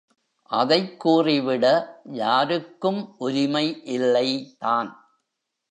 அதைக்கூறிவிட யாருக்கும் உரிமை இல்லை தான்.